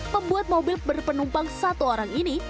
pembuat mobil berpenumpang satu orang ini